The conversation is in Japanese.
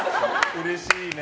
うれしいね。